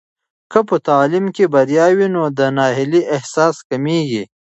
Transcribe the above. که په تعلیم کې بریا وي، نو د ناهیلۍ احساس کمېږي.